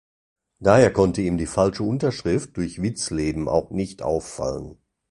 Daher konnte ihm die falsche Unterschrift durch Witzleben auch nicht auffallen.